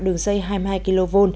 đường dây hai mươi hai kv